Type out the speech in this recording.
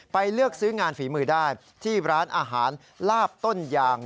เลือกซื้องานฝีมือได้ที่ร้านอาหารลาบต้นยาง